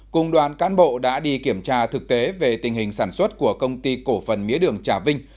cùng đoàn cán bộ đã đi kiểm tra thực tế về tình hình sản xuất của công ty cổ phần mía đường trà vinh